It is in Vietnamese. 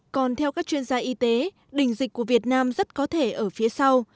còn theo các chuyên gia y tế đỉnh dịch của việt nam rất có thể ở phía sau